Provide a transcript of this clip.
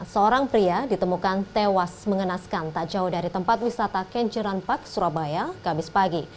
seorang pria ditemukan tewas mengenaskan tak jauh dari tempat wisata kenjeran park surabaya kamis pagi